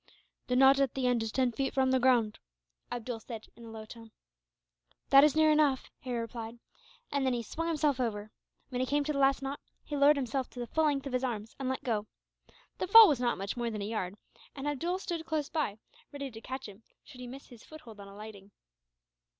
"The knot at the end is ten feet from the ground," Abdool said, in a low tone. "That is near enough," Harry replied, and then he swung himself over. When he came to the last knot, he lowered himself to the full length of his arms and let go. The fall was not much more than a yard; and Abdool stood close by, ready to catch him, should he miss his foothold on alighting.